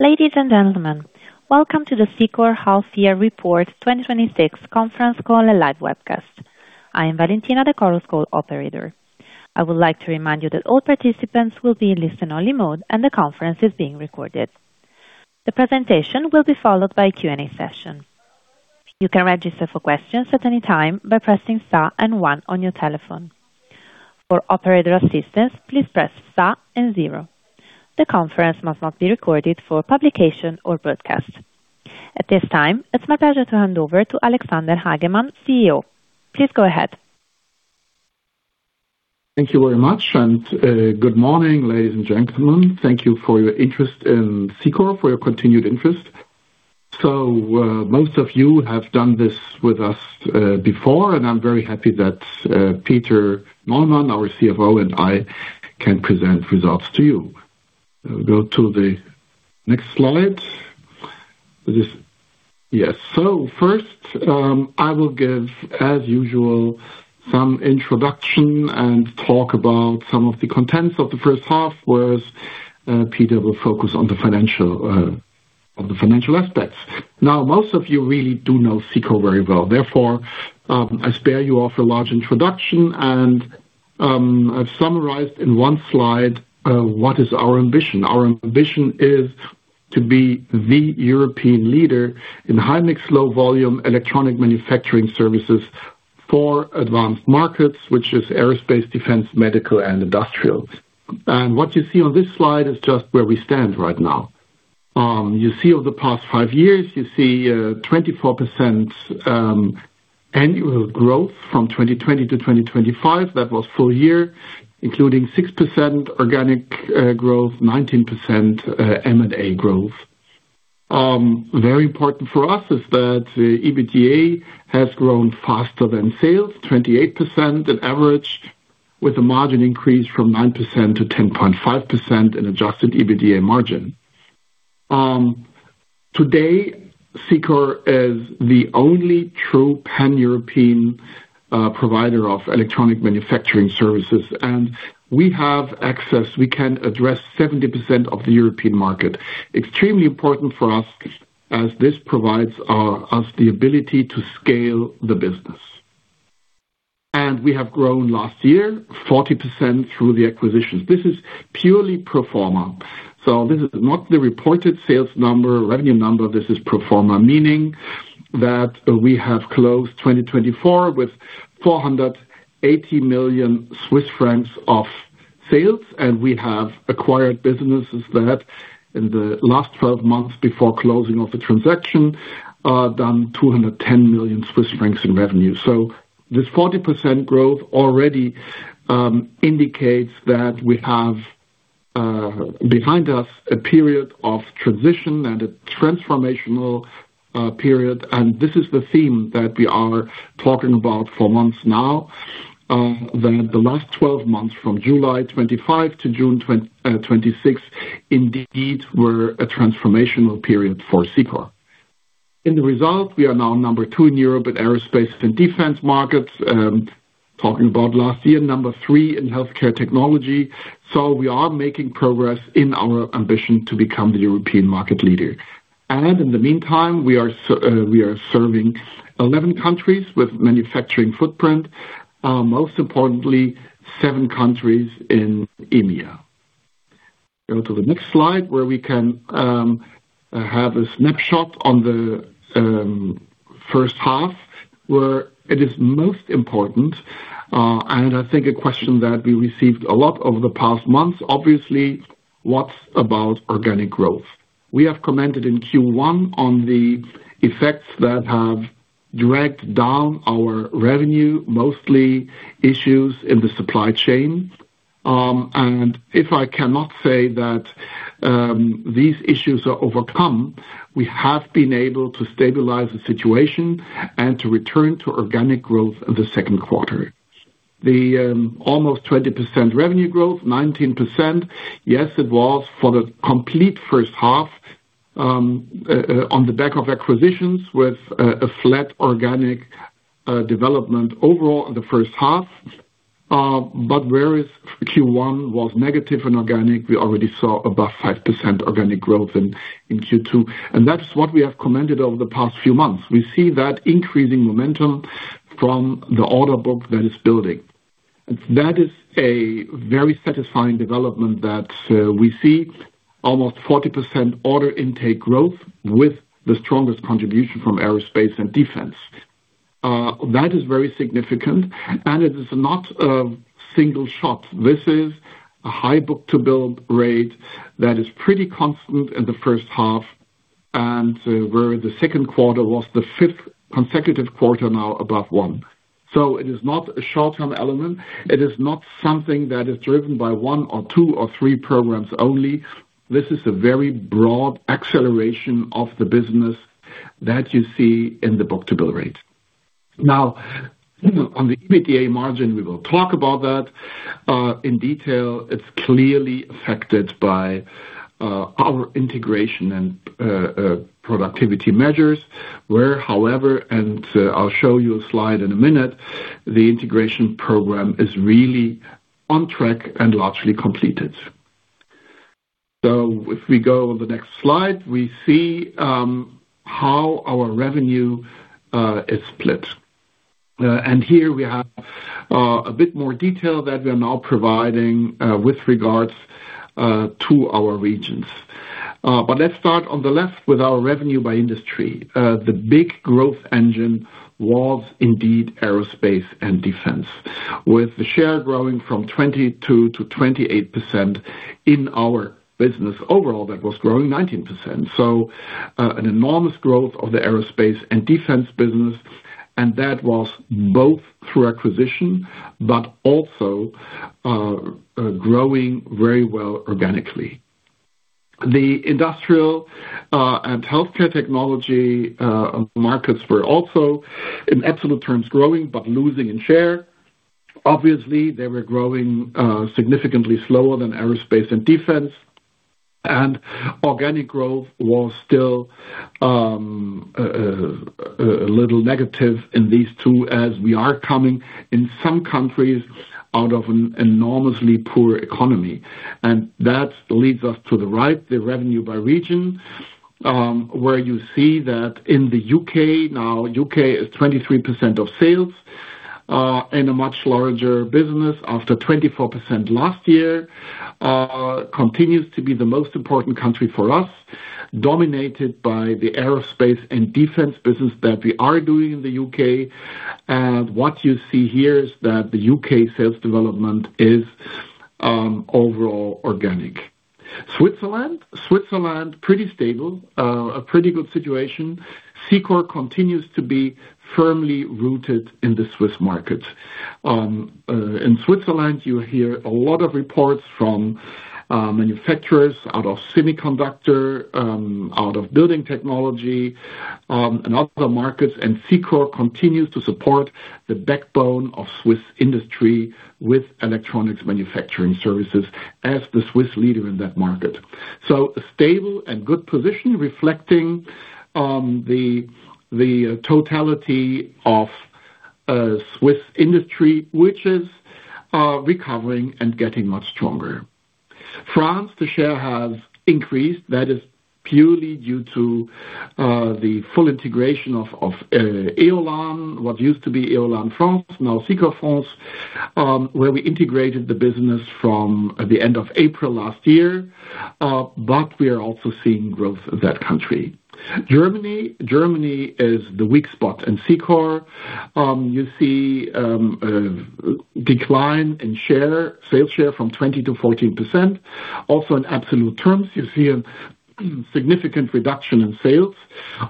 Ladies and gentlemen, welcome to the Cicor Half Year Report 2026 conference call and live webcast. I am Valentina, the call operator. I would like to remind you that all participants will be in listen only mode, and the conference is being recorded. The presentation will be followed by a Q&A session. You can register for questions at any time by pressing star and one on your telephone. For operator assistance, please press star and zero. The conference must not be recorded for publication or broadcast. At this time, it's my pleasure to hand over to Alexander Hagemann, CEO. Please go ahead. Thank you very much. Good morning, ladies and gentlemen. Thank you for your interest in Cicor, for your continued interest. Most of you have done this with us before, and I'm very happy that Peter Neumann, our CFO, and I can present results to you. Go to the next slide. First, I will give, as usual, some introduction and talk about some of the contents of the first half, whereas Peter will focus on the financial aspects. Now, most of you really do know Cicor very well. Therefore, I spare you of a large introduction, and I've summarized in one slide what is our ambition. Our ambition is to be the European leader in high-mix, low-volume electronic manufacturing services for advanced markets, which is aerospace, defense, medical and industrial. What you see on this slide is just where we stand right now. You see over the past five years, you see 24% annual growth from 2020-2025. That was full year, including 6% organic growth, 19% M&A growth. Very important for us is that the EBITDA has grown faster than sales, 28% on average, with a margin increase from 9%-10.5% in adjusted EBITDA margin. Today, Cicor is the only true Pan-European provider of electronic manufacturing services. We have access, we can address 70% of the European market. Extremely important for us as this provides us the ability to scale the business. We have grown last year 40% through the acquisitions. This is purely pro forma. This is not the reported sales number, revenue number. This is pro forma, meaning that we have closed 2024 with 480 million Swiss francs of sales, we have acquired businesses that in the last 12 months before closing of the transaction, done 210 million Swiss francs in revenue. This 40% growth already indicates that we have behind us a period of transition and a transformational period. This is the theme that we are talking about for months now, that the last 12 months, from July 2025 to June 2026, indeed were a transformational period for Cicor. In the result, we are now number two in Europe in aerospace and defense markets, talking about last year, number three in healthcare technology. We are making progress in our ambition to become the European market leader. In the meantime, we are serving 11 countries with manufacturing footprint. Most importantly, seven countries in EMEA. Go to the next slide where we can have a snapshot on the first half where it is most important. I think a question that we received a lot over the past months, obviously, what about organic growth? We have commented in Q1 on the effects that have dragged down our revenue, mostly issues in the supply chain. If I cannot say that these issues are overcome, we have been able to stabilize the situation and to return to organic growth in the second quarter. The almost 20% revenue growth, 19%, yes, it was for the complete first half, on the back of acquisitions with a flat organic development overall in the first half. Whereas Q1 was negative and organic, we already saw above 5% organic growth in Q2. That's what we have commented over the past few months. We see that increasing momentum from the order book that is building. That is a very satisfying development that we see almost 40% order intake growth with the strongest contribution from Aerospace & Defence. That is very significant and it is not a single shot. This is a high book-to-bill rate that is pretty constant in the first half, and where the second quarter was the fifth consecutive quarter now above one. It is not a short-term element. It is not something that is driven by one or two or three programs only. This is a very broad acceleration of the business that you see in the book-to-bill rate. On the EBITDA margin, we will talk about that in detail. It's clearly affected by our integration and productivity measures where however, I'll show you a slide in a minute, the integration program is really on track and largely completed. If we go on the next slide, we see how our revenue is split. Here we have a bit more detail that we are now providing with regards to our regions. Let's start on the left with our revenue by industry. The big growth engine was indeed Aerospace & Defence, with the share growing from 22%-28% in our business. Overall, that was growing 19%. An enormous growth of the Aerospace & Defence business, that was both through acquisition, but also growing very well organically. The industrial and healthcare technology markets were also, in absolute terms, growing but losing in share. Obviously, they were growing significantly slower than Aerospace & Defence. Organic growth was still a little negative in these two as we are coming in some countries out of an enormously poor economy. That leads us to the right, the revenue by region, where you see that in the U.K., now U.K. is 23% of sales and a much larger business after 24% last year. Continues to be the most important country for us, dominated by the Aerospace & Defence business that we are doing in the U.K. What you see here is that the U.K. sales development is overall organic. Switzerland, pretty stable. A pretty good situation. Cicor continues to be firmly rooted in the Swiss market. In Switzerland, you hear a lot of reports from manufacturers out of semiconductor, out of building technology, and other markets, Cicor continues to support the backbone of Swiss industry with electronics manufacturing services as the Swiss leader in that market. A stable and good position reflecting on the totality of Swiss industry, which is recovering and getting much stronger. France, the share has increased. That is purely due to the full integration of Éolane, what used to be Éolane France, now Cicor France, where we integrated the business from the end of April last year. We are also seeing growth in that country. Germany is the weak spot in Cicor. You see a decline in sales share from 20% to 14%. Also in absolute terms, you see a significant reduction in sales,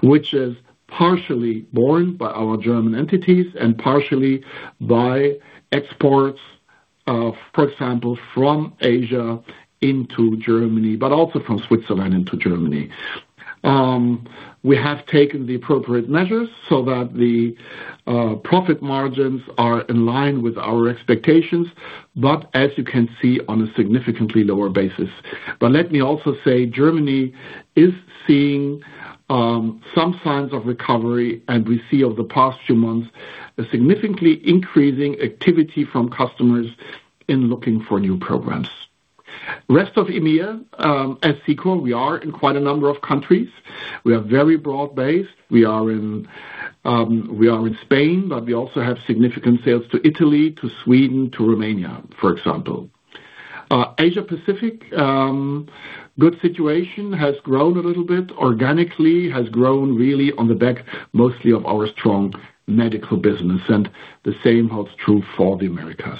which is partially borne by our German entities and partially by exports of, for example, from Asia into Germany, but also from Switzerland into Germany. We have taken the appropriate measures so that the profit margins are in line with our expectations, but as you can see, on a significantly lower basis. Let me also say, Germany is seeing some signs of recovery, and we see over the past few months a significantly increasing activity from customers in looking for new programs. Rest of EMEA. At Cicor, we are in quite a number of countries. We are very broad-based. We are in Spain, but we also have significant sales to Italy, to Sweden, to Romania, for example. Asia-Pacific, good situation, has grown a little bit organically, has grown really on the back mostly of our strong medical business, and the same holds true for the Americas.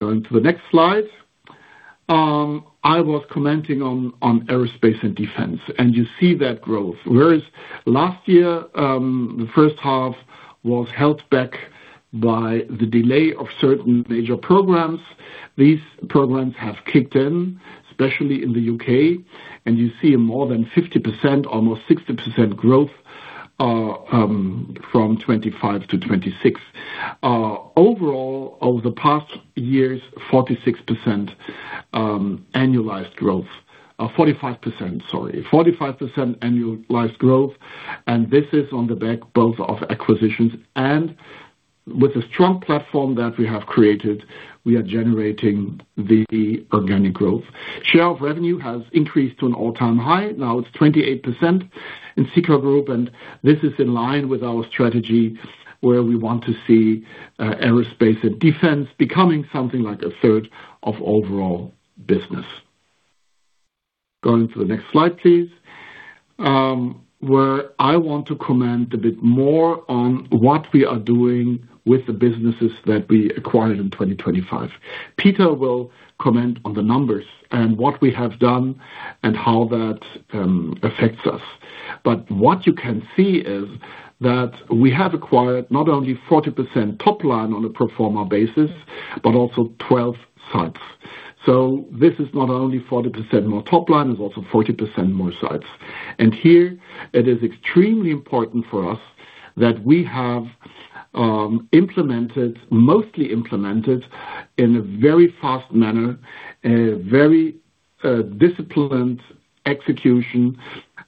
Going to the next slide. I was commenting on Aerospace & Defence, and you see that growth. Whereas last year, the first half was held back by the delay of certain major programs. These programs have kicked in, especially in the U.K., and you see a more than 50%, almost 60% growth from 2025-2026. Overall, over the past years, 46% annualized growth. 45%, sorry. 45% annualized growth. This is on the back both of acquisitions and with the strong platform that we have created, we are generating the organic growth. Share of revenue has increased to an all-time high. Now it's 28% in Cicor Group, this is in line with our strategy where we want to see Aerospace & Defence becoming something like a third of overall business. Going to the next slide, please, where I want to comment a bit more on what we are doing with the businesses that we acquired in 2025. Peter will comment on the numbers and what we have done and how that affects us. What you can see is that we have acquired not only 40% top line on a pro forma basis, but also 12 sites. This is not only 40% more top line, it's also 40% more sites. Here it is extremely important for us that we have mostly implemented in a very fast manner a very disciplined execution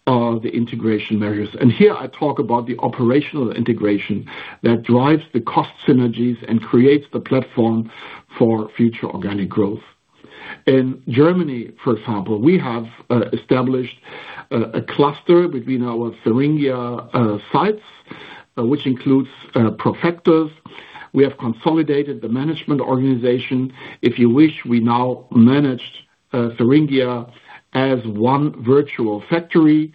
of the integration measures. Here I talk about the operational integration that drives the cost synergies and creates the platform for future organic growth. In Germany, for example, we have established a cluster between our Thuringia sites, which includes Profectus. We have consolidated the management organization. If you wish, we now manage Thuringia as one virtual factory,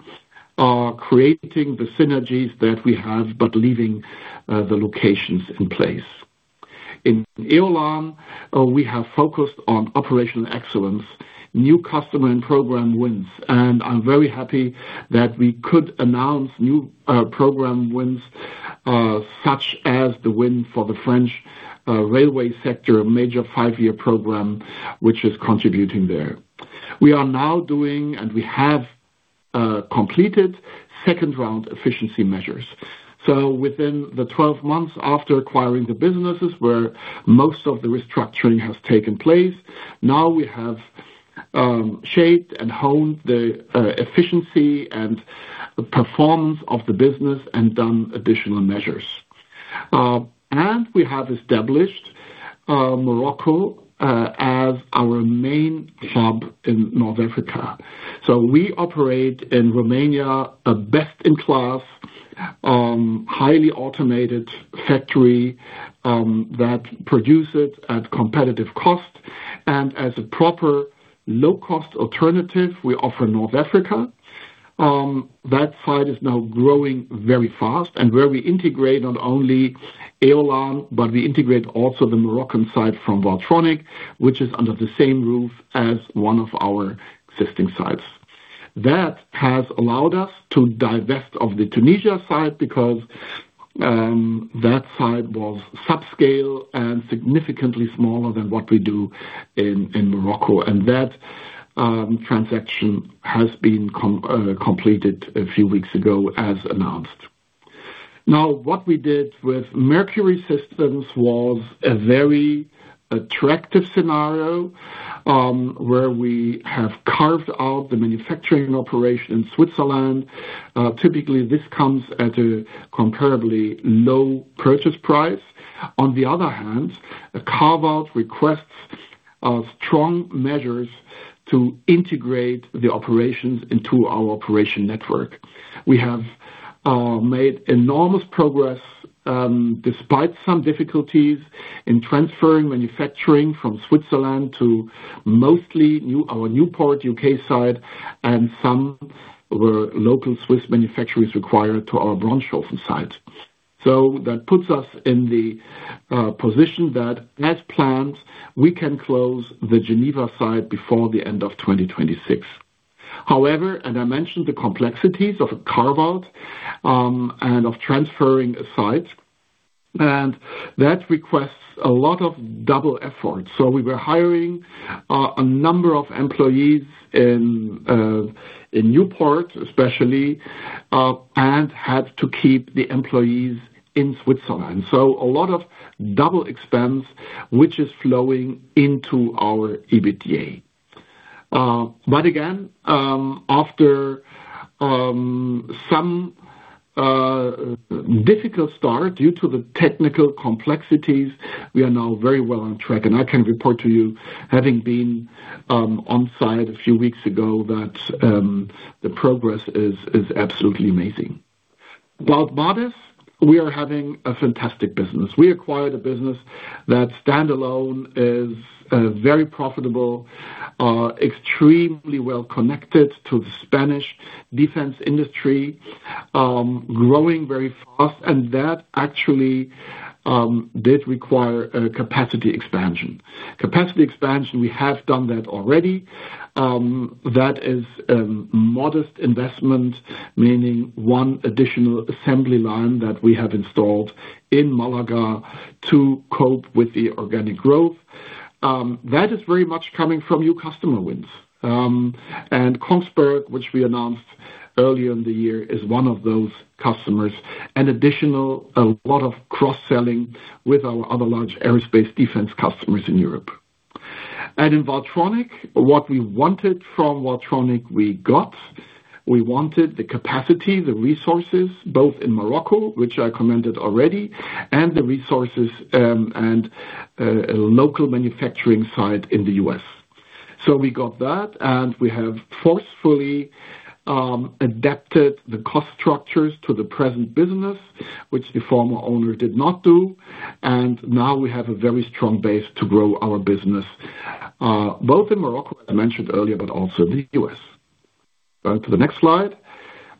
creating the synergies that we have but leaving the locations in place. In Éolane, we have focused on operational excellence, new customer and program wins, and I am very happy that we could announce new program wins, such as the win for the French railway sector, a major five-year program, which is contributing there. We are now doing, and we have completed second-round efficiency measures. Within the 12 months after acquiring the businesses where most of the restructuring has taken place, now we have shaped and honed the efficiency and performance of the business and done additional measures. We have established Morocco as our main hub in North Africa. We operate in Romania a best-in-class, highly automated factory that produces at competitive cost. As a proper low-cost alternative, we offer North Africa. That site is now growing very fast and where we integrate not only Éolane, but we integrate also the Moroccan site from Valtronic, which is under the same roof as one of our existing sites. That has allowed us to divest of the Tunisia site because that site was subscale and significantly smaller than what we do in Morocco. That transaction has been completed a few weeks ago, as announced. What we did with Mercury Systems was a very attractive scenario, where we have carved out the manufacturing operation in Switzerland. Typically, this comes at a comparably low purchase price. On the other hand, a carve-out requests strong measures to integrate the operations into our operation network. We have made enormous progress, despite some difficulties in transferring manufacturing from Switzerland to mostly our Newport, U.K. site and some were local Swiss manufacturers required to our Braunschweig site. That puts us in the position that as planned, we can close the Geneva site before the end of 2026. I mentioned the complexities of a carve-out, and of transferring a site, and that requests a lot of double effort. We were hiring a number of employees in Newport, especially, and had to keep the employees in Switzerland. A lot of double expense, which is flowing into our EBITDA. Again, after some difficult start due to the technical complexities, we are now very well on track. I can report to you, having been on-site a few weeks ago, that the progress is absolutely amazing. While MADES, we are having a fantastic business. We acquired a business that standalone is very profitable, extremely well-connected to the Spanish defense industry, growing very fast and that actually did require a capacity expansion. Capacity expansion, we have done that already. That is a modest investment, meaning one additional assembly line that we have installed in Malaga to cope with the organic growth. That is very much coming from new customer wins. Kongsberg, which we announced earlier in the year, is one of those customers. An additional lot of cross-selling with our other large aerospace defense customers in Europe. In Valtronic, what we wanted from Valtronic, we got. We wanted the capacity, the resources, both in Morocco, which I commented already, and the resources and a local manufacturing site in the U.S. We got that, and we have forcefully adapted the cost structures to the present business, which the former owner did not do, and now we have a very strong base to grow our business, both in Morocco, as I mentioned earlier, but also in the U.S. Go to the next slide,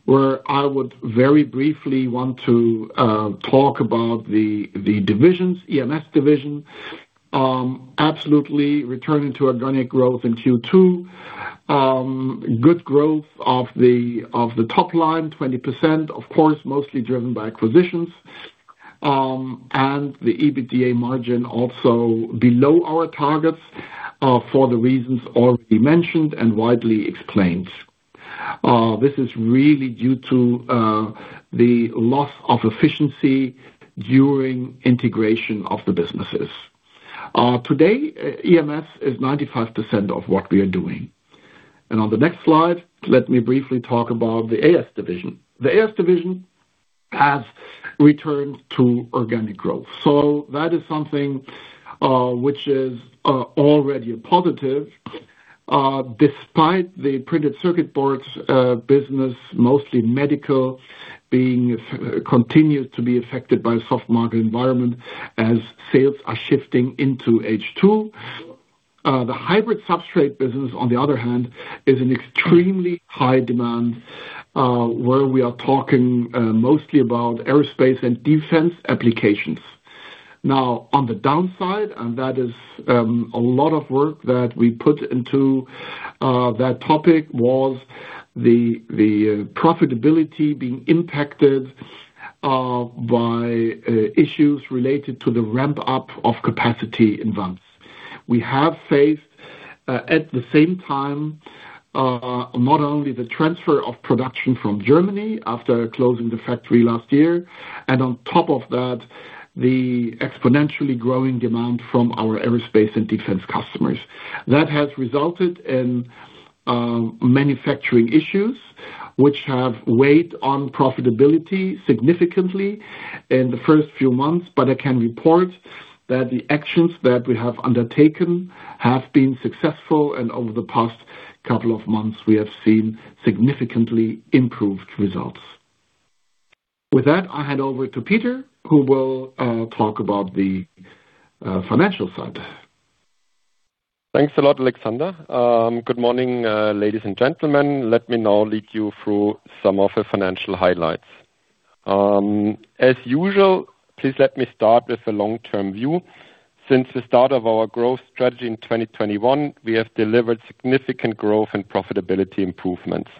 where I would very briefly want to talk about the divisions. EMS Division. Absolutely returning to organic growth in Q2. Good growth of the top line, 20%, of course, mostly driven by acquisitions. The EBITDA margin also below our targets, for the reasons already mentioned and widely explained. This is really due to the loss of efficiency during integration of the businesses. Today, EMS is 95% of what we are doing. On the next slide, let me briefly talk about the AS Division. The AS Division has returned to organic growth. That is something which is already a positive. Despite the printed circuit boards business, mostly medical, continues to be affected by a soft market environment as sales are shifting into H2. The hybrid substrate business, on the other hand, is an extremely high demand, where we are talking mostly about Aerospace & Defence applications. On the downside, that is a lot of work that we put into that topic was the profitability being impacted by issues related to the ramp-up of capacity in Wangs. We have faced, at the same time, not only the transfer of production from Germany after closing the factory last year, on top of that, the exponentially growing demand from our Aerospace & Defence customers. That has resulted in manufacturing issues, which have weighed on profitability significantly in the first few months, I can report that the actions that we have undertaken have been successful, over the past couple of months, we have seen significantly improved results. With that, I hand over to Peter, who will talk about the financial side. Thanks a lot, Alexander. Good morning, ladies and gentlemen. Let me now lead you through some of the financial highlights. As usual, please let me start with a long-term view. Since the start of our growth strategy in 2021, we have delivered significant growth and profitability improvements.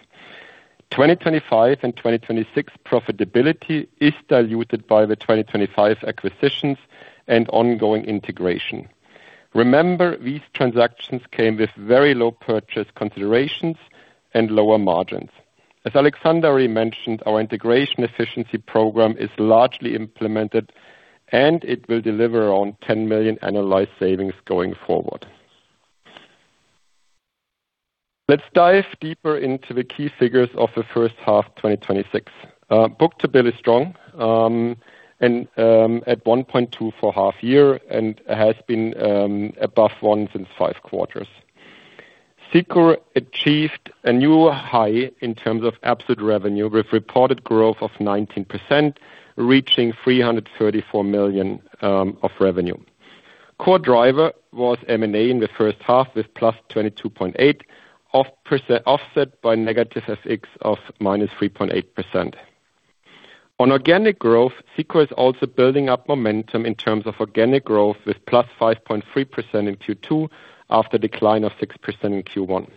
2025 and 2026 profitability is diluted by the 2025 acquisitions and ongoing integration. Remember, these transactions came with very low purchase considerations and lower margins. As Alexander already mentioned, our integration efficiency program is largely implemented, it will deliver around 10 million annualized savings going forward. Let's dive deeper into the key figures of the first half 2026. book-to-bill is strong at 1.2 for half year and has been above one since 5 quarters. Cicor achieved a new high in terms of absolute revenue with reported growth of 19%, reaching 334 million of revenue. Core driver was M&A in the first half, with +22.8% offset by negative FX of -3.8%. Cicor is also building up momentum in terms of organic growth with +5.3% in Q2 after a decline of 6% in Q1.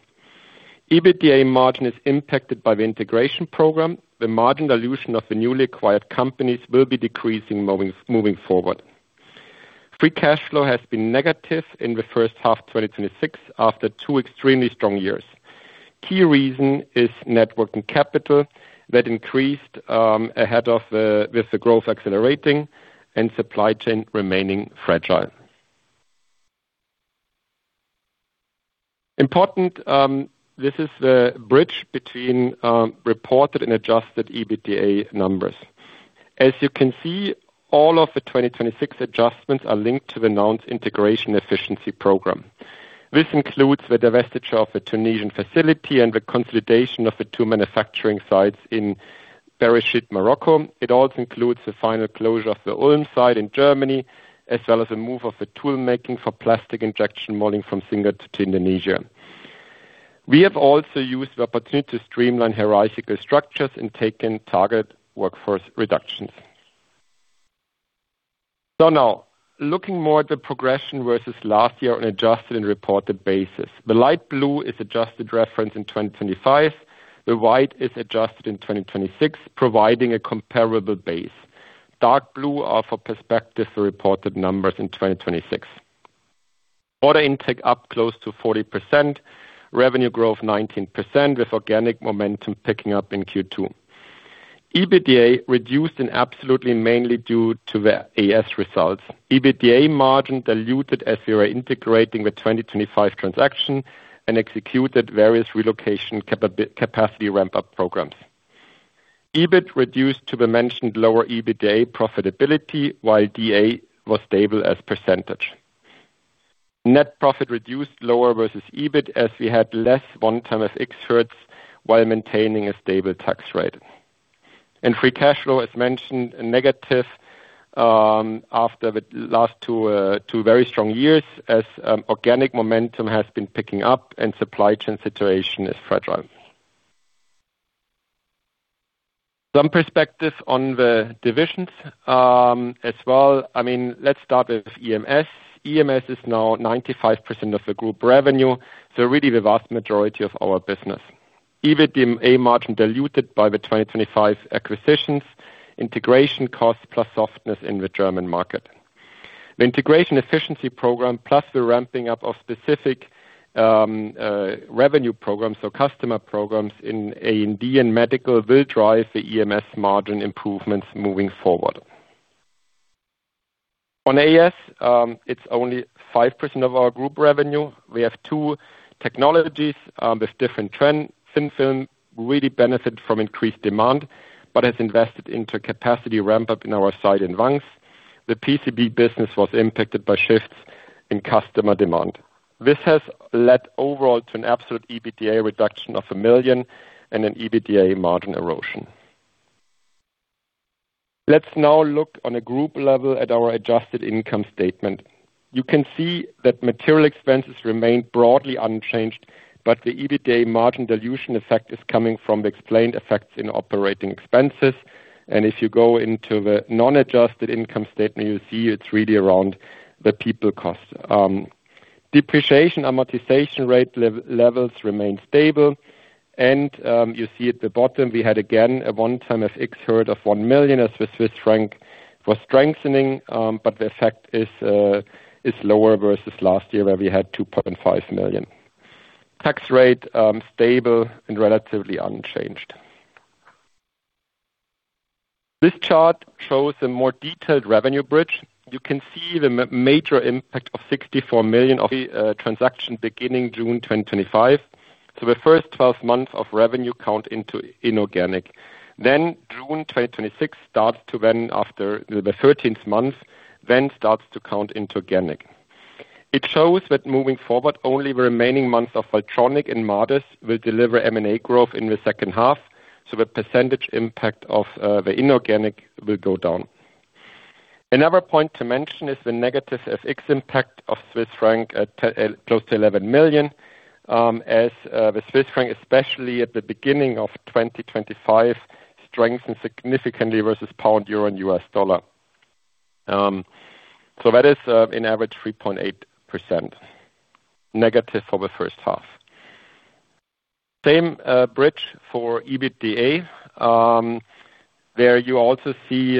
EBITDA margin is impacted by the integration program. The margin dilution of the newly acquired companies will be decreasing moving forward. Free cash flow has been negative in the first half 2026 after two extremely strong years. Key reason is net working capital that increased ahead of with the growth accelerating and supply chain remaining fragile. This is the bridge between reported and adjusted EBITDA numbers. All of the 2026 adjustments are linked to the announced integration efficiency program. This includes the divestiture of the Tunisian facility and the consolidation of the two manufacturing sites in Berrechid, Morocco. It also includes the final closure of the Ulm site in Germany, as well as a move of the tool making for plastic injection molding from Singapore to Indonesia. We have also used the opportunity to streamline hierarchical structures and take in target workforce reductions. Looking more at the progression versus last year on adjusted and reported basis. The light blue is adjusted reference in 2025. The white is adjusted in 2026, providing a comparable base. Dark blue are for perspective the reported numbers in 2026. Order intake up close to 40%, revenue growth 19%, with organic momentum picking up in Q2. EBITDA reduced in absolutely mainly due to the AS results. EBITDA margin diluted as we were integrating the 2025 transaction and executed various relocation capacity ramp-up programs. EBIT reduced to the mentioned lower EBITDA profitability, while D&A was stable as percentage. Net profit reduced lower versus EBIT as we had less one-time FX hurts while maintaining a stable tax rate. Free cash flow, as mentioned, negative after the last two very strong years as organic momentum has been picking up and supply chain situation is fragile. Some perspective on the divisions as well. Let's start with EMS. EMS is now 95% of the group revenue, so really the vast majority of our business. EBITDA margin diluted by the 2025 acquisitions, integration costs, plus softness in the German market. The integration efficiency program, plus the ramping up of specific revenue programs or customer programs in A&D and medical will drive the EMS margin improvements moving forward. AS, it's only 5% of our group revenue. We have two technologies with different trends. Thin film really benefit from increased demand, but has invested into a capacity ramp-up in our site in Vance. The PCB business was impacted by shifts in customer demand. This has led overall to an absolute EBITDA reduction of 1 million and an EBITDA margin erosion. Looking on a group level at our adjusted income statement. Material expenses remained broadly unchanged, but the EBITDA margin dilution effect is coming from the explained effects in operating expenses. If you go into the non-adjusted income statement, you'll see it's really around the people cost. Depreciation amortization rate levels remain stable. We had, again, a one-time FX hurt of 1 million as the Swiss franc was strengthening. The effect is lower versus last year where we had 2.5 million. Tax rate, stable and relatively unchanged. This chart shows a more detailed revenue bridge. The major impact of 64 million of the transaction beginning June 2025. The first 12 months of revenue count into inorganic. June 2026 starts to, after the 13th month, starts to count into organic. It shows that moving forward, only the remaining months of Profectus and MADES will deliver M&A growth in the second half, the percentage impact of the inorganic will go down. Another point to mention is the negative FX impact of Swiss franc at close to 11 million, as the Swiss franc, especially at the beginning of 2025, strengthened significantly versus pound, euro, and U.S. dollar. That is an average 3.8% negative for the first half. Same bridge for EBITDA. There you also see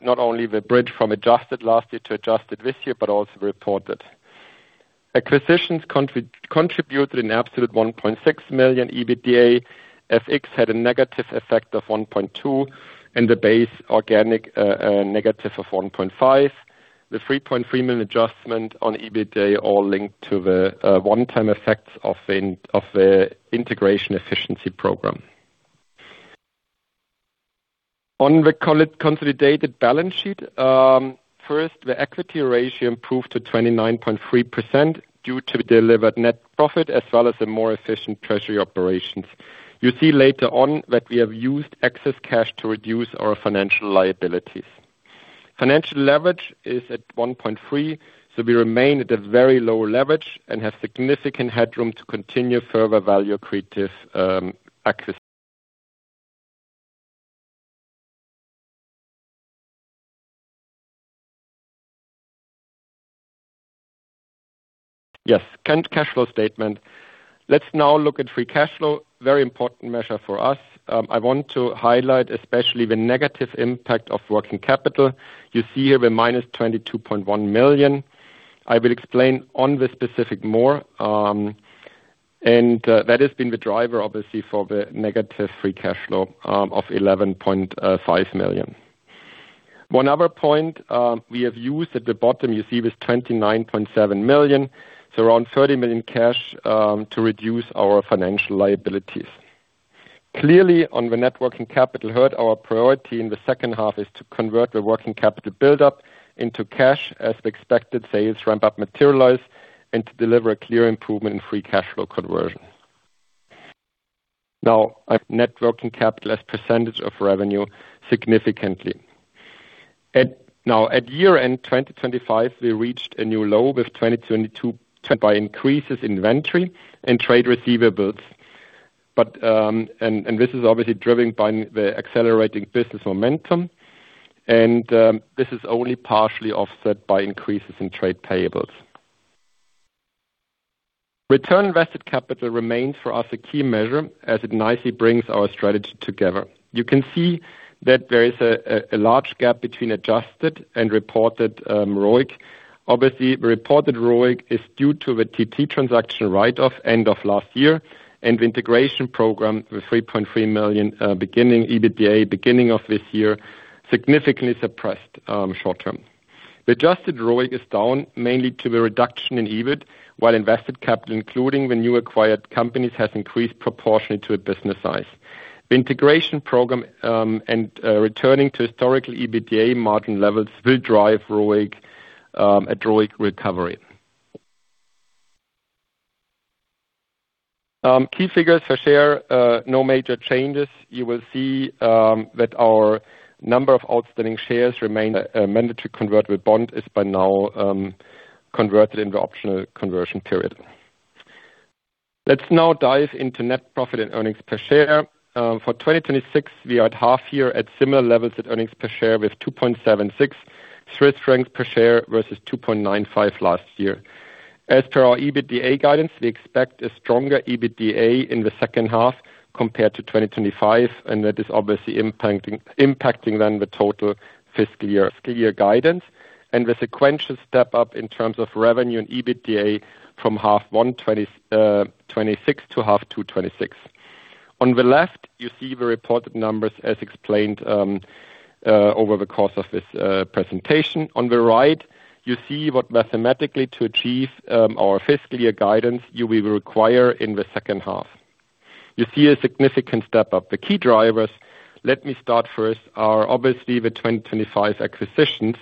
not only the bridge from adjusted last year to adjusted this year, but also reported. Acquisitions contributed an absolute 1.6 million EBITDA. FX had a negative effect of 1.2 million and the base organic a negative of 1.5 million. The 3.3 million adjustment on EBITDA all linked to the one-time effects of the integration efficiency program. On the consolidated balance sheet, first, the equity ratio improved to 29.3% due to the delivered net profit as well as the more efficient treasury operations. You see later on that we have used excess cash to reduce our financial liabilities. Financial leverage is at 1.3 million, we remain at a very low leverage and have significant headroom to continue further value creative access. Yes, cash flow statement. Let's now look at free cash flow, very important measure for us. I want to highlight especially the negative impact of working capital. You see here the minus 22.1 million. I will explain on the specific more. That has been the driver, obviously, for the negative free cash flow of 11.5 million. One other point, we have used at the bottom, you see this 29.7 million, around 30 million cash, to reduce our financial liabilities. Clearly, on the net working capital herd, our priority in the second half is to convert the working capital buildup into cash as the expected sales ramp-up materialize and to deliver a clear improvement in free cash flow conversion. Net working capital as percentage of revenue significantly. At year-end 2025, we reached a new low with 2022 by increases in inventory and trade receivables. This is obviously driven by the accelerating business momentum. This is only partially offset by increases in trade payables. Return on invested capital remains for us a key measure as it nicely brings our strategy together. You can see that there is a large gap between adjusted and reported ROIC. Obviously, the reported ROIC is due to the TT Electronics transaction write-off end of last year and the integration program, the 3.3 million beginning EBITDA, beginning of this year, significantly suppressed short-term. The adjusted ROIC is down mainly to the reduction in EBIT, while invested capital, including the new acquired companies, has increased proportionally to its business size. The integration program, returning to historical EBITDA margin levels will drive a ROIC recovery. Key figures for share, no major changes. You will see that our number of outstanding shares remain mandatory convert with bond is by now converted into optional conversion period. Let's now dive into net profit and earnings per share. For 2026, we are at half year at similar levels at earnings per share with 2.76 Swiss francs per share versus 2.95 last year. As per our EBITDA guidance, we expect a stronger EBITDA in the second half compared to 2025. That is obviously impacting then the total fiscal year guidance, and the sequential step up in terms of revenue and EBITDA from half one 2026 to half two 2026. On the left, you see the reported numbers as explained over the course of this presentation. On the right, you see what mathematically to achieve our fiscal year guidance you will require in the second half. You see a significant step up. The key drivers, let me start first, are obviously the 2025 acquisitions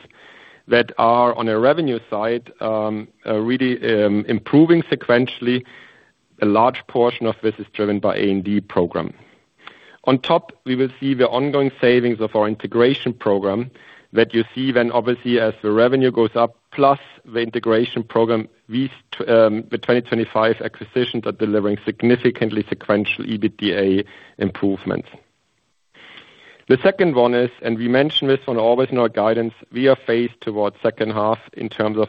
that are on a revenue side, are really improving sequentially. A large portion of this is driven by A&D program. On top, we will see the ongoing savings of our integration program that you see then obviously as the revenue goes up, plus the integration program with the 2025 acquisitions are delivering significantly sequential EBITDA improvements. The second one is, we mentioned this on always in our guidance, we are phased towards second half in terms of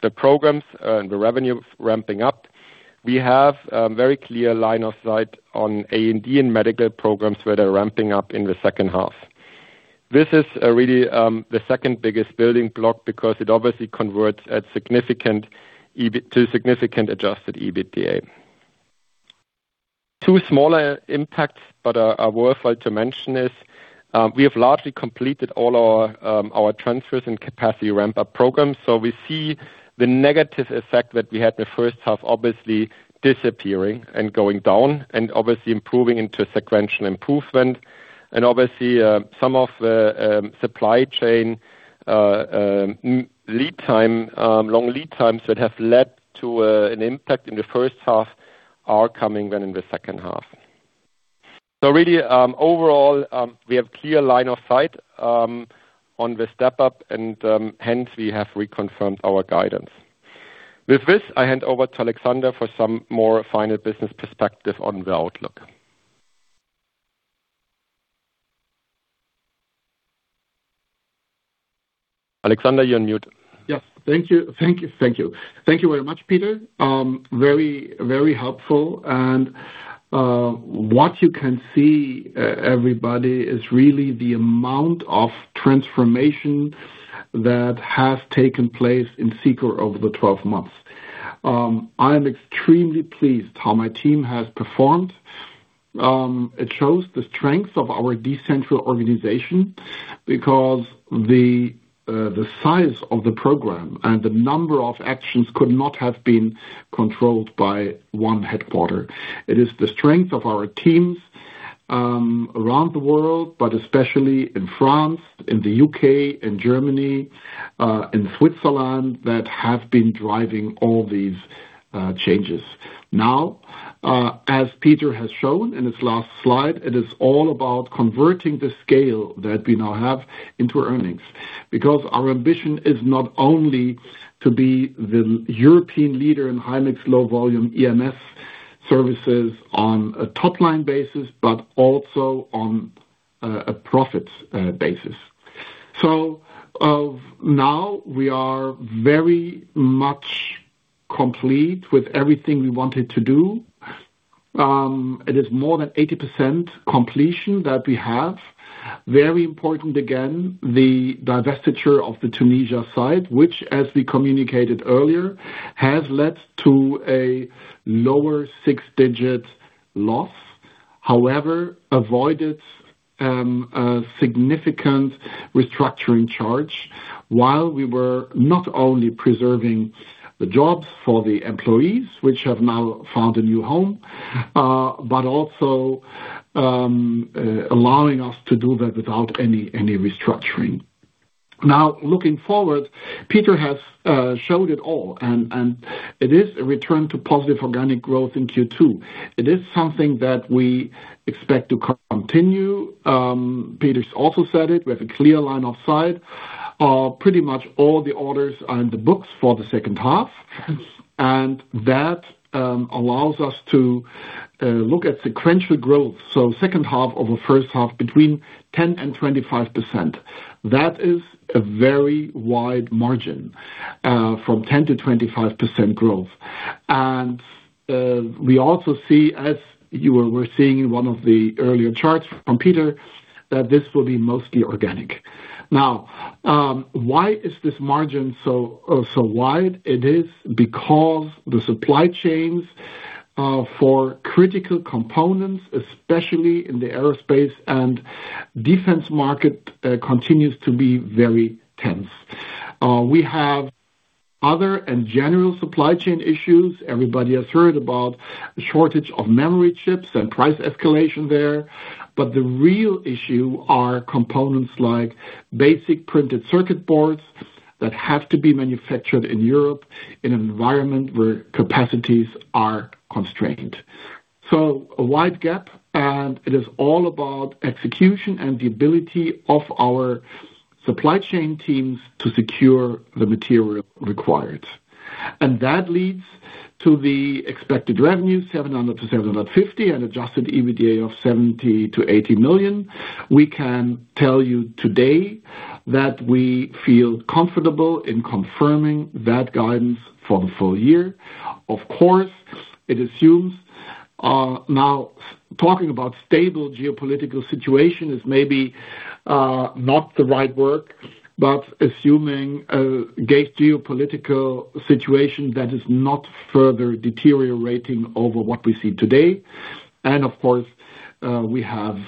the programs and the revenue ramping up. We have a very clear line of sight on A&D and medical programs where they're ramping up in the second half. This is really the second biggest building block because it obviously converts to significant adjusted EBITDA. Two smaller impacts, but are worthwhile to mention is, we have largely completed all our transfers and capacity ramp-up programs. We see the negative effect that we had in the first half, obviously, disappearing and going down and obviously improving into a sequential improvement. Obviously, some of the supply chain long lead times that have led to an impact in the first half are coming then in the second half. Really, overall, we have clear line of sight on the step up and, hence, we have reconfirmed our guidance. With this, I hand over to Alexander for some more final business perspective on the outlook. Alexander, you're on mute. Yes. Thank you. Thank you very much, Peter. Very helpful. What you can see, everybody, is really the amount of transformation that has taken place in Cicor over the 12 months. I am extremely pleased how my team has performed. It shows the strength of our decentral organization because the size of the program and the number of actions could not have been controlled by one headquarter. It is the strength of our teams around the world, but especially in France, in the U.K., in Germany, in Switzerland, that have been driving all these changes. As Peter has shown in his last slide, it is all about converting the scale that we now have into earnings. Our ambition is not only to be the European leader in high-mix, low-volume EMS services on a top line basis, but also on a profit basis. As of now, we are very much complete with everything we wanted to do. It is more than 80% completion that we have. Very important, again, the divestiture of the Tunisia site, which, as we communicated earlier, has led to a lower six-digit loss. Avoided a significant restructuring charge while we were not only preserving the jobs for the employees, which have now found a new home, but also allowing us to do that without any restructuring. Looking forward, Peter has shown it all. It is a return to positive organic growth in Q2. It is something that we expect to continue. Peter's also said it. We have a clear line of sight. Pretty much all the orders are in the books for the second half, and that allows us to look at sequential growth. Second half over first half between 10%-25%. That is a very wide margin, from 10%-25% growth. We also see, as you were seeing in one of the earlier charts from Peter, that this will be mostly organic. Why is this margin so wide? It is because the supply chains for critical components, especially in the Aerospace & Defence market, continues to be very tense. We have other and general supply chain issues. Everybody has heard about the shortage of memory chips and price escalation there. The real issue are components like basic printed circuit boards that have to be manufactured in Europe in an environment where capacities are constrained. A wide gap, it is all about execution and the ability of our supply chain teams to secure the material required. That leads to the expected revenue 700 million-750 million and adjusted EBITDA of 70 million-80 million. We can tell you today that we feel comfortable in confirming that guidance for the full year. Of course, it assumes, now talking about stable geopolitical situation is maybe not the right word, but assuming a geopolitical situation that is not further deteriorating over what we see today. Of course, we have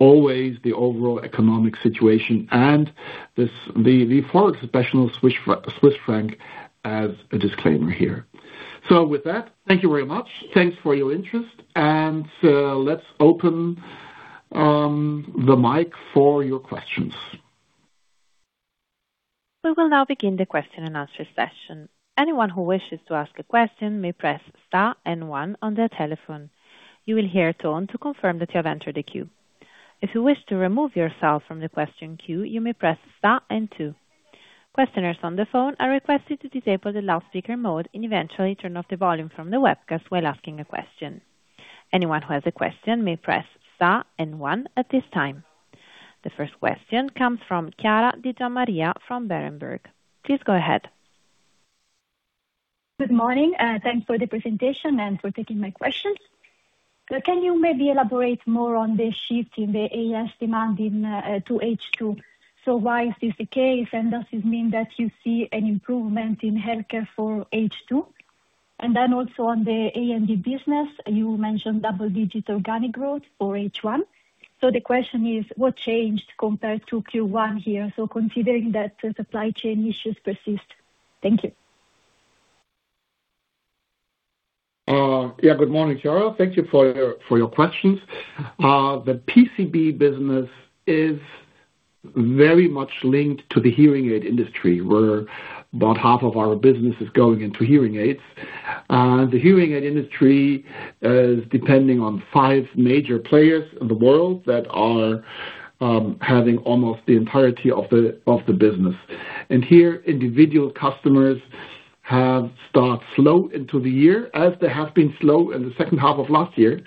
always the overall economic situation and the forward special Swiss franc as a disclaimer here. With that, thank you very much. Thanks for your interest. Let's open the mic for your questions. We will now begin the question-and-answer session. Anyone who wishes to ask a question may press star and one on their telephone. You will hear a tone to confirm that you have entered a queue. If you wish to remove yourself from the question queue, you may press star and two. Questioners on the phone are requested to disable the loudspeaker mode and eventually turn off the volume from the webcast while asking a question. Anyone who has a question may press star and one at this time. The first question comes from Chiara Di Giammaria from Berenberg. Please go ahead. Good morning. Thanks for the presentation and for taking my questions. Can you maybe elaborate more on the shift in the AS demand to H2? Why is this the case, and does this mean that you see an improvement in healthcare for H2? Also on the A&D business, you mentioned double-digit organic growth for H1. The question is, what changed compared to Q1 here? Considering that the supply chain issues persist. Thank you. Good morning, Chiara. Thank you for your questions. The PCB business is very much linked to the hearing aid industry, where about half of our business is going into hearing aids. The hearing aid industry is depending on five major players in the world that are having almost the entirety of the business. Here, individual customers have start slow into the year, as they have been slow in the second half of last year.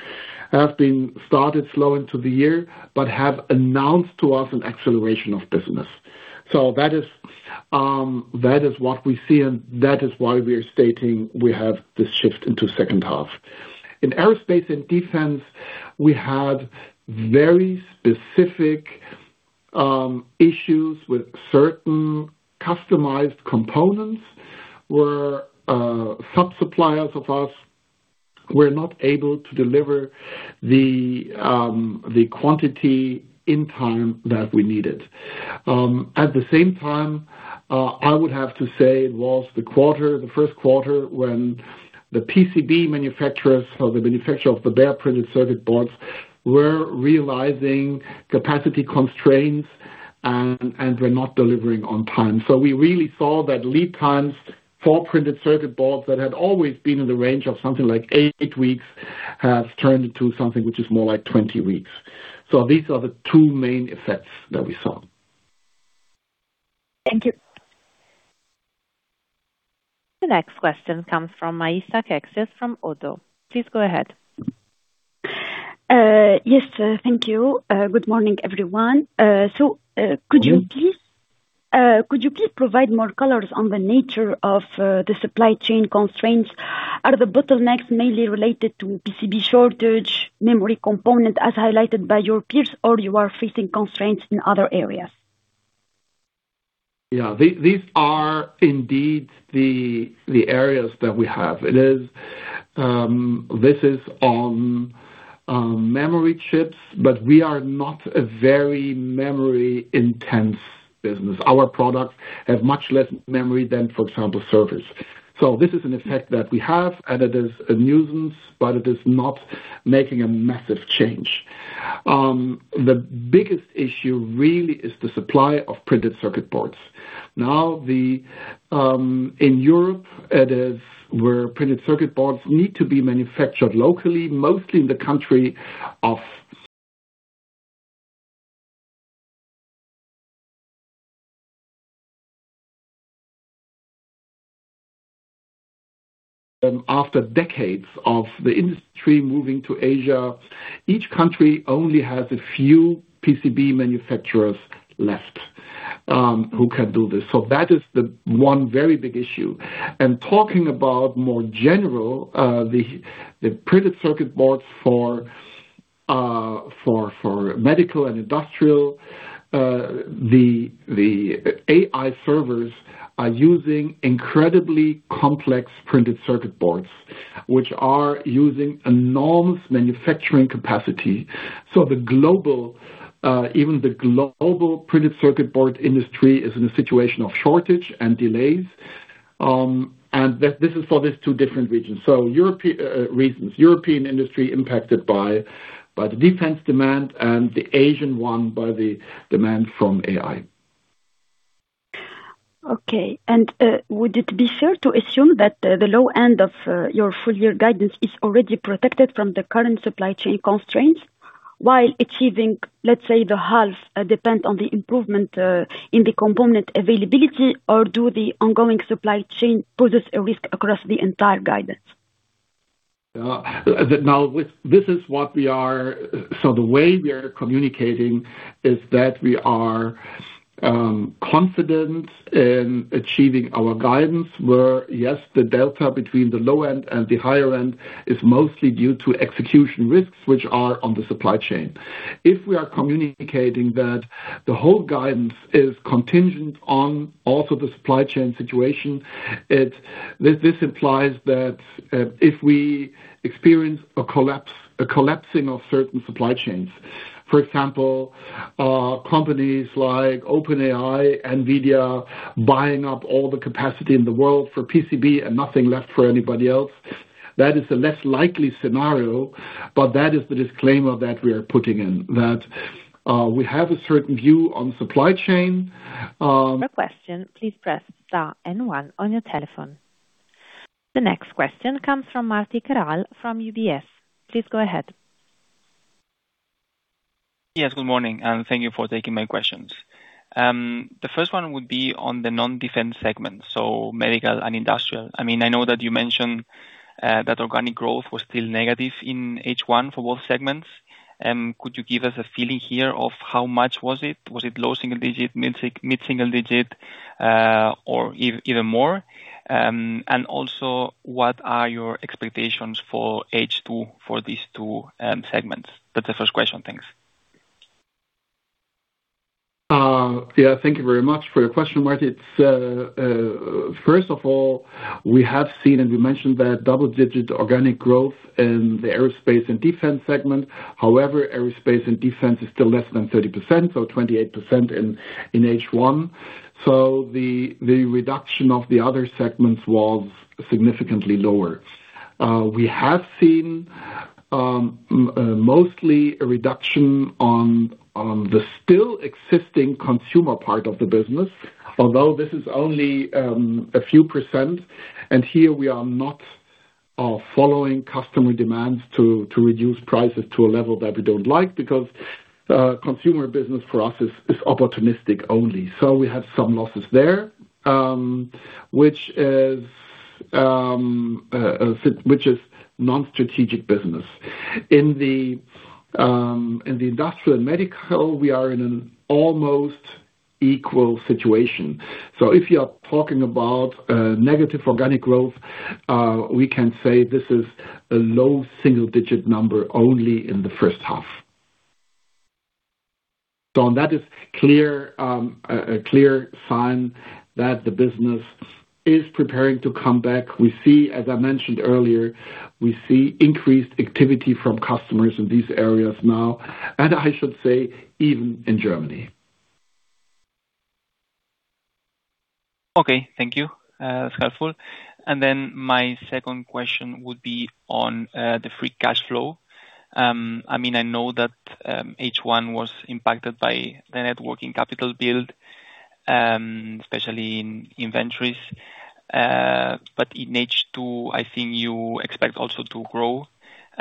Have been started slow into the year, but have announced to us an acceleration of business. That is what we see, and that is why we are stating we have this shift into second half. In Aerospace & Defence, we had very specific issues with certain customized components, where sub-suppliers of us were not able to deliver the quantity in time that we needed. At the same time, I would have to say it was the first quarter when the PCB manufacturers or the manufacturer of the bare printed circuit boards were realizing capacity constraints and were not delivering on time. We really saw that lead times for printed circuit boards that had always been in the range of something like eight weeks, has turned into something which is more like 20 weeks. These are the two main effects that we saw. Thank you. The next question comes from Maissa Keskes from ODDO. Please go ahead. Yes. Thank you. Good morning, everyone. Could you please provide more colors on the nature of the supply chain constraints? Are the bottlenecks mainly related to PCB shortage, memory component as highlighted by your peers, or you are facing constraints in other areas? Yeah. These are indeed the areas that we have. This is on memory chips, but we are not a very memory intense business. Our products have much less memory than, for example, servers. This is an effect that we have, and it is a nuisance, but it is not making a massive change. The biggest issue really is the supply of printed circuit boards. Now, in Europe, it is where printed circuit boards need to be manufactured locally, mostly in the country. After decades of the industry moving to Asia, each country only has a few PCB manufacturers left who can do this. That is the one very big issue. Talking about more general, the printed circuit boards for medical and industrial. The AI servers are using incredibly complex printed circuit boards, which are using enormous manufacturing capacity. Even the global printed circuit board industry is in a situation of shortage and delays. This is for these two different reasons. European industry impacted by the defense demand and the Asian one by the demand from AI. Okay. Would it be fair to assume that the low end of your full year guidance is already protected from the current supply chain constraints? While achieving, let's say the half depend on the improvement in the component availability or do the ongoing supply chain poses a risk across the entire guidance? The way we are communicating is that we are confident in achieving our guidance, where, yes, the delta between the low end and the higher end is mostly due to execution risks, which are on the supply chain. If we are communicating that the whole guidance is contingent on also the supply chain situation, this implies that if we experience a collapsing of certain supply chains, for example, companies like OpenAI, NVIDIA, buying up all the capacity in the world for PCB and nothing left for anybody else, that is a less likely scenario, but that is the disclaimer that we are putting in. That we have a certain view on supply chain. For a question, please press star and one on your telephone. The next question comes from Martí Queral from UBS. Please go ahead. Good morning, thank you for taking my questions. The first one would be on the non-defense segment, so medical and industrial. I know that you mentioned that organic growth was still negative in H1 for both segments. Could you give us a feeling here of how much was it? Was it low single digit, mid single digit, or even more? Also what are your expectations for H2 for these two segments? That's the first question. Thanks. Thank you very much for your question, Martí. First of all, we have seen, and we mentioned that double-digit organic growth in the Aerospace & Defence segment. However, Aerospace & Defence is still less than 30%, 28% in H1. The reduction of the other segments was significantly lower. We have seen mostly a reduction on the still existing consumer part of the business, although this is only a few percent, and here we are not following customer demands to reduce prices to a level that we don't like because consumer business for us is opportunistic only. We have some losses there, which is non-strategic business. In the industrial and medical, we are in an almost equal situation. If you are talking about negative organic growth, we can say this is a low single-digit number only in the first half. That is a clear sign that the business is preparing to come back. As I mentioned earlier, we see increased activity from customers in these areas now, and I should say even in Germany. Okay. Thank you. That's helpful. My second question would be on the free cash flow. I know that H1 was impacted by the net working capital build, especially in inventories. In H2, I think you expect also to grow.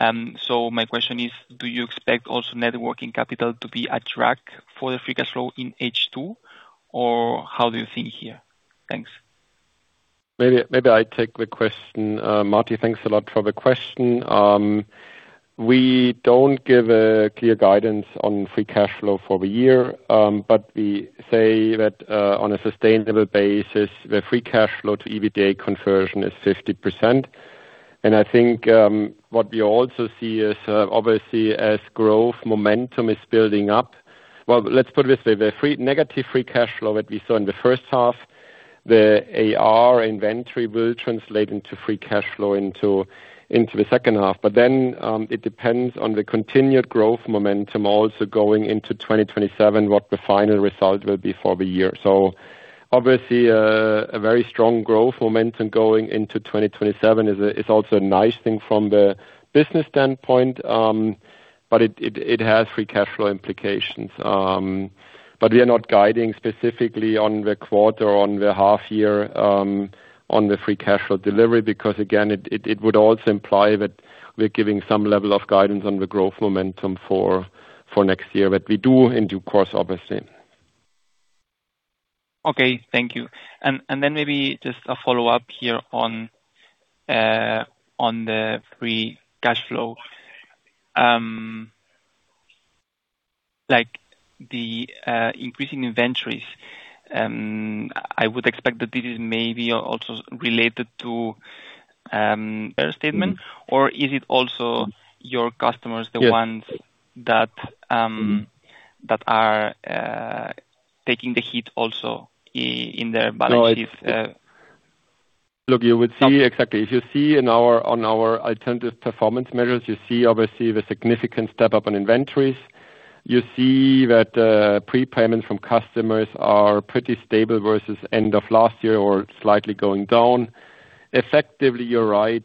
My question is, do you expect also net working capital to be at track for the free cash flow in H2, or how do you think here? Thanks. Maybe I take the question. Martí, thanks a lot for the question. We don't give a clear guidance on free cash flow for the year, but we say that on a sustainable basis, the free cash flow to EBITDA conversion is 50%. I think what we also see is obviously as growth momentum is building up. Let's put it this way, the negative free cash flow that we saw in the first half, the AR inventory will translate into free cash flow into the second half, but then it depends on the continued growth momentum also going into 2027, what the final result will be for the year. Obviously, a very strong growth momentum going into 2027 is also a nice thing from the business standpoint, but it has free cash flow implications. We are not guiding specifically on the quarter, on the half year, on the free cash flow delivery, because again, it would also imply that we're giving some level of guidance on the growth momentum for next year. We do in due course, obviously. Okay, thank you. Maybe just a follow-up here on the free cash flow. Like the increasing inventories, I would expect that this is maybe also related to their statement or is it also your customers- Yes ...the ones that are taking the hit also in their balances? Look, you would see exactly. If you see on our alternative performance measures, you see obviously the significant step up on inventories. You see that prepayment from customers are pretty stable versus end of last year or slightly going down. Effectively, you're right.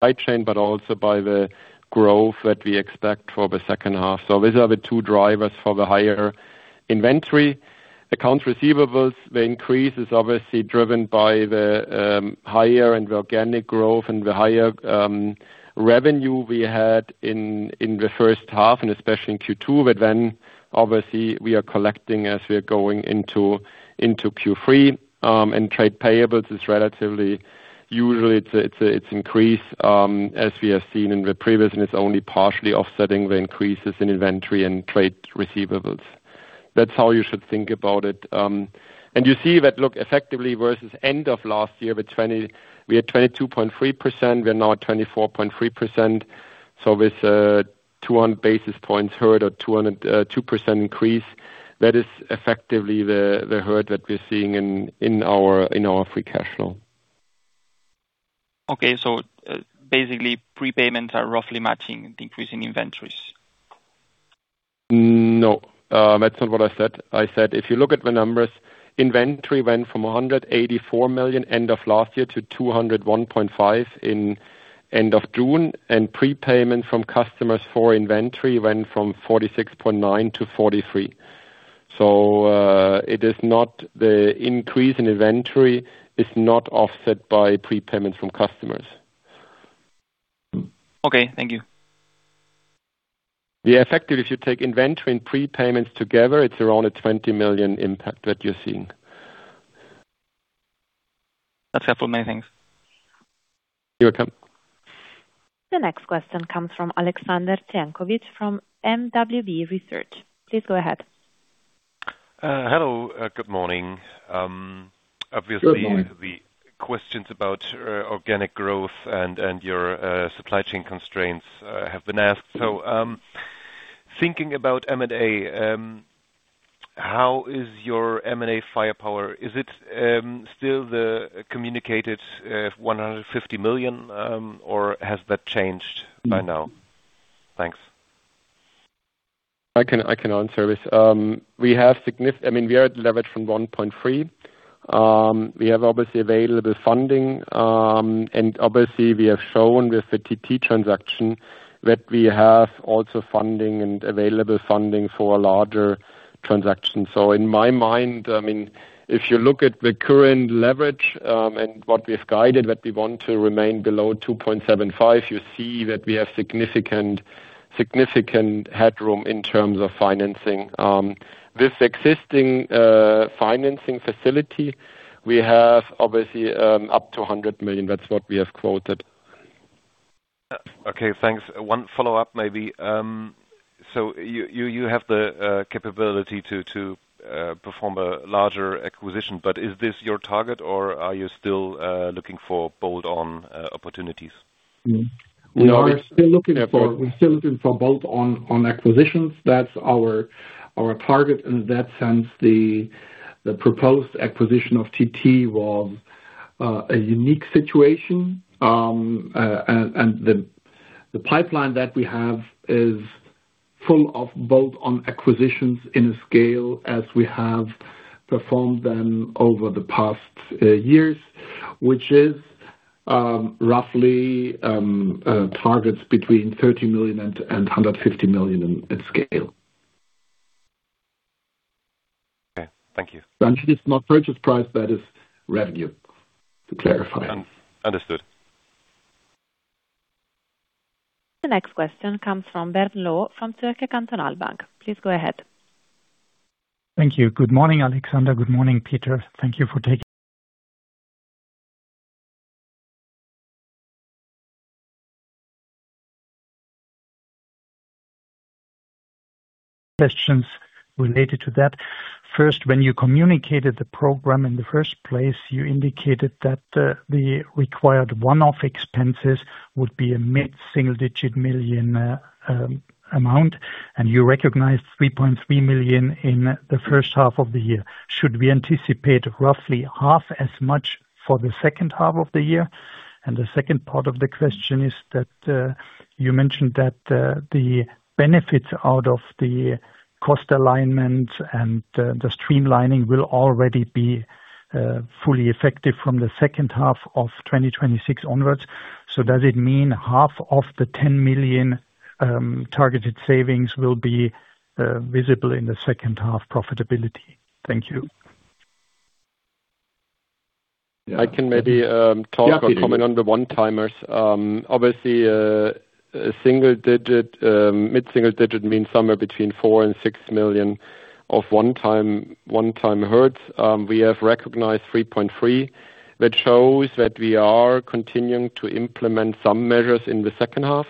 Supply chain, but also by the growth that we expect for the second half. These are the two drivers for the higher inventory. Accounts receivables, the increase is obviously driven by the higher and organic growth and the higher revenue we had in the first half and especially in Q2. Obviously we are collecting as we are going into Q3. Trade payables, usually it's an increase, as we have seen in the previous, and it's only partially offsetting the increases in inventory and trade receivables. That's how you should think about it. You see that, look, effectively versus end of last year, we had 22.3%, we're now at 24.3%. With 200 basis points heard or 2% increase, that is effectively the herd that we're seeing in our free cash flow. Okay. Basically prepayments are roughly matching the increase in inventories. No. That's not what I said. I said, if you look at the numbers, inventory went from 184 million end of last year to 201.5 in end of June, and prepayment from customers for inventory went from 46.9 to 43. The increase in inventory is not offset by prepayment from customers. Okay. Thank you. The effect, if you take inventory and prepayments together, it's around a 20 million impact that you're seeing. That's helpful. Many thanks. You're welcome. The next question comes from Alexander Zienkowicz from mwb research. Please go ahead. Hello, good morning. Good morning. Obviously, the questions about organic growth and your supply chain constraints have been asked. Thinking about M&A, how is your M&A firepower? Is it still the communicated 150 million, or has that changed by now? Thanks. I can answer this. We are at leverage from 1.3. We have obviously available funding, and obviously we have shown with the TT transaction that we have also funding and available funding for larger transactions. In my mind, if you look at the current leverage, and what we've guided, that we want to remain below 2.75, you see that we have significant headroom in terms of financing. This existing financing facility, we have obviously up to 100 million. That's what we have quoted. Okay, thanks. One follow-up maybe. You have the capability to perform a larger acquisition, but is this your target or are you still looking for bolt-on opportunities? We are still looking for bolt-on acquisitions. That's our target in that sense. The proposed acquisition of TT was a unique situation. The pipeline that we have is full of bolt-on acquisitions in a scale as we have performed them over the past years, which is roughly targets between 30 million and 150 million in scale. Okay. Thank you. This is not purchase price, that is revenue, to clarify. Understood. The next question comes from Bernd Laux from Zürcher Kantonalbank. Please go ahead. Thank you. Good morning, Alexander. Good morning, Peter. Questions related to that. First, when you communicated the program in the first place, you indicated that the required one-off expenses would be a mid-single-digit million amount, and you recognized 3.3 million in the first half of the year. Should we anticipate roughly half as much for the second half of the year? The second part of the question is that you mentioned that the benefits out of the cost alignment and the streamlining will already be fully effective from the second half of 2026 onwards. Does it mean half of the 10 million targeted savings will be visible in the second half profitability? Thank you. I can maybe talk or comment on the one-timers. Obviously, mid-single digit means somewhere between 4 million and 6 million of one-time incurred. We have recognized 3.3 million, which shows that we are continuing to implement some measures in the second half.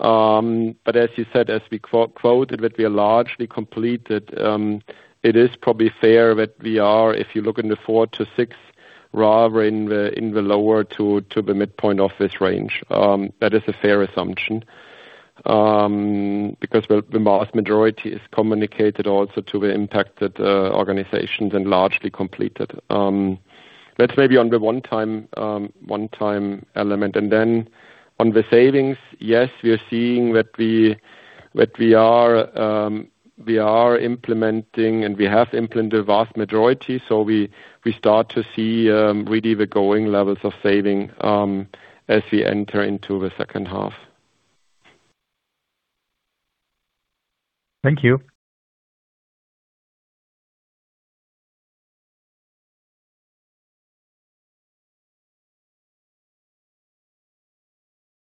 As you said, as we quoted, that we are largely completed. It is probably fair that we are, if you look in the 4 million-6 million, rather in the lower to the midpoint of this range. That is a fair assumption. The vast majority is communicated also to the impacted organizations and largely completed. That's maybe on the one-time element. Then on the savings, yes, we are seeing that we We are implementing and we have implemented vast majority. We start to see really the going levels of saving as we enter into the second half. Thank you.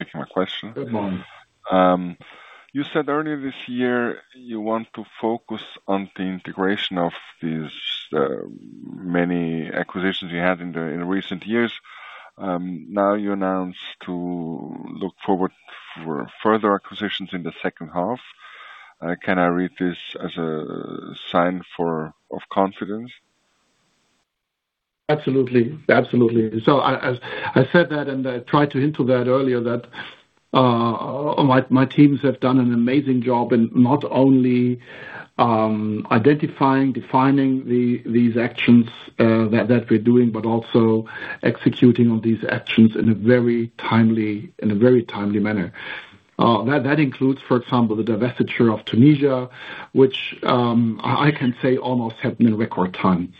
Taking my question. Good morning. You said earlier this year you want to focus on the integration of these many acquisitions you had in recent years. Now you announce to look forward for further acquisitions in the second half. Can I read this as a sign of confidence? Absolutely. I said that and I tried to hint to that earlier that my teams have done an amazing job in not only identifying, defining these actions that we're doing, but also executing on these actions in a very timely manner. That includes, for example, the divestiture of Tunisia, which I can say almost happened in record time.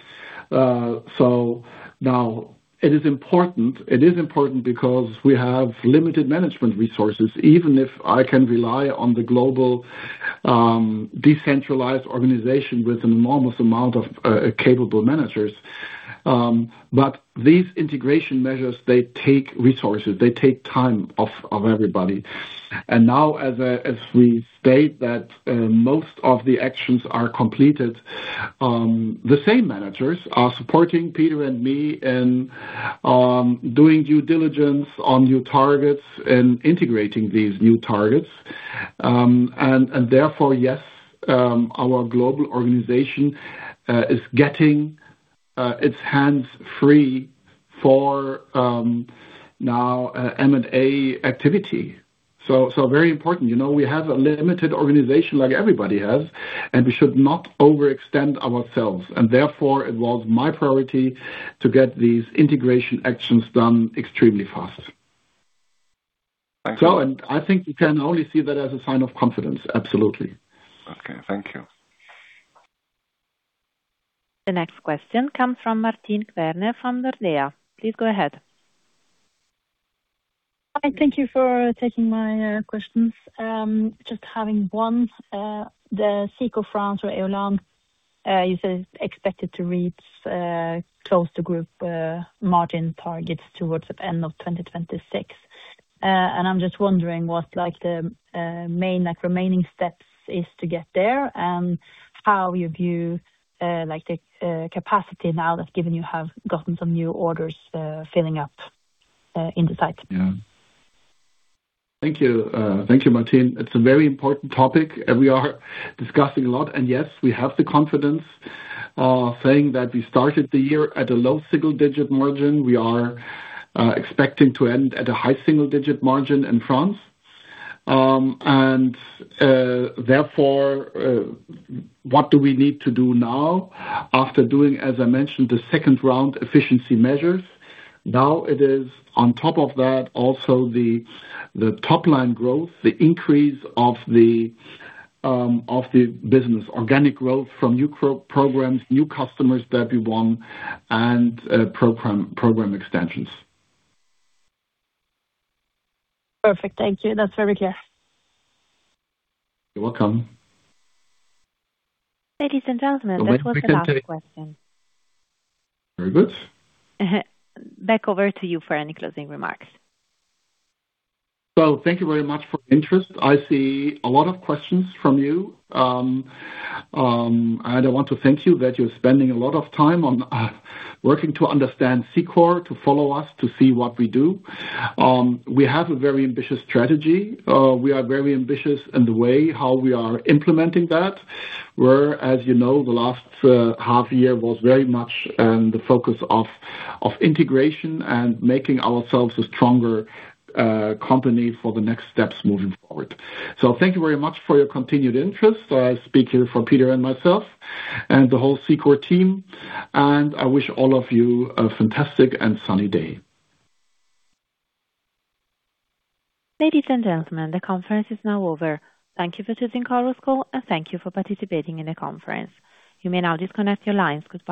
Now it is important because we have limited management resources, even if I can rely on the global decentralized organization with an enormous amount of capable managers. These integration measures, they take resources, they take time of everybody. Now, as we state that most of the actions are completed, the same managers are supporting Peter and me in doing due diligence on new targets and integrating these new targets. Therefore, yes, our global organization is getting its hands free for now M&A activity. Very important. We have a limited organization like everybody has, we should not overextend ourselves. Therefore it was my priority to get these integration actions done extremely fast. Thank you. I think you can only see that as a sign of confidence. Absolutely. Okay. Thank you. The next question comes from Martine Kverne from Nordea. Please go ahead. Hi. Thank you for taking my questions. Just having one. The Cicor France or Éolane, you said expected to reach close to Group margin targets towards the end of 2026. I'm just wondering what the main remaining steps is to get there and how you view the capacity now that given you have gotten some new orders filling up in the site. Yeah. Thank you, Martine. It's a very important topic and we are discussing a lot. Yes, we have the confidence saying that we started the year at a low single-digit margin. We are expecting to end at a high single-digit margin in France. Therefore, what do we need to do now? After doing, as I mentioned, the second-round efficiency measures, now it is on top of that also the top line growth, the increase of the business organic growth from new programs, new customers that we won and program extensions. Perfect. Thank you. That's very clear. You're welcome. Ladies and gentlemen, that was the last question. Very good. Back over to you for any closing remarks. Thank you very much for interest. I see a lot of questions from you. I want to thank you that you're spending a lot of time on working to understand Cicor, to follow us, to see what we do. We have a very ambitious strategy. We are very ambitious in the way how we are implementing that, where, as you know, the last half-year was very much the focus of integration and making ourselves a stronger company for the next steps moving forward. Thank you very much for your continued interest. I speak here for Peter and myself and the whole Cicor team, and I wish all of you a fantastic and sunny day. Ladies and gentlemen, the conference is now over. Thank you for attending our call and thank you for participating in the conference. You may now disconnect your lines. Goodbye.